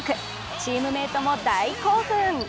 チームメートも大興奮。